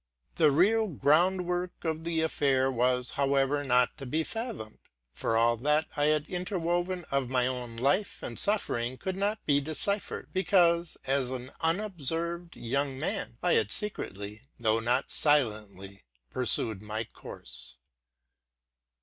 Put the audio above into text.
The real groundwork of the affair was, however, not to be fath omed; for all that I had interwoven of my own life and suffering could not be deciphered, because, as an unobserved young man, I had secretly, though not silently, pursued my course.